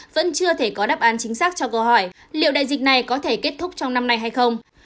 vẫn chưa thể có đáp án chính xác cho câu hỏi liệu đại dịch này có thể kết thúc trong năm nay hay không